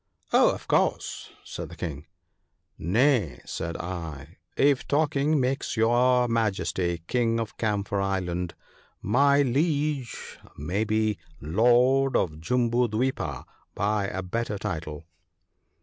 ' Oh ! of course/ said the King. ' Nay/ said I, ' if talking makes your Majesty King of Camphor island, my Liege may be lord of Jambu dwipa by a better title.'